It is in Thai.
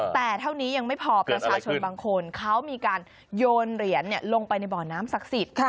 แต่เท่านี้ยังไม่พอประชาชนบางคนเขามีการโยนเหรียญลงไปในบ่อน้ำศักดิ์สิทธิ์